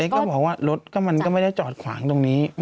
ก็บอกว่ารถก็มันก็ไม่ได้จอดขวางตรงนี้